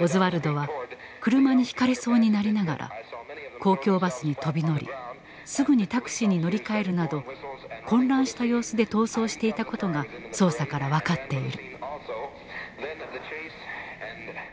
オズワルドは車にひかれそうになりながら公共バスに飛び乗りすぐにタクシーに乗り換えるなど混乱した様子で逃走していたことが捜査から分かっている。